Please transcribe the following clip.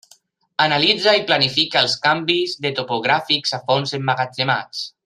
Analitza i planifica els canvis de topogràfics a fons emmagatzemats.